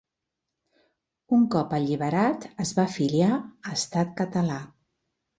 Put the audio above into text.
Un cop alliberat, es va afiliar a Estat Català.